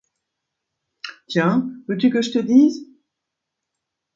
Tiens, veux-tu que je te dise ?